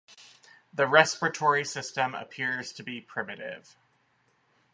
The respiratory system appears to be primitive.